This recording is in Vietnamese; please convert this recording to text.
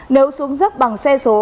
nếu xuống dốc bằng xe số